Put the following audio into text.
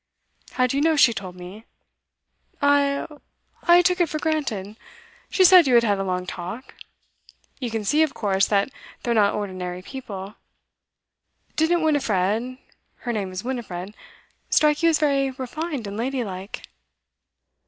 'How do you know she told me?' 'I oh, I took it for granted. She said you had had a long talk. You can see, of course, that they're not ordinary people. Didn't Winifred her name is Winifred strike you as very refined and lady like?